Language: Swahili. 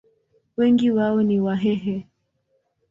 Wengi wao ni Wahehe.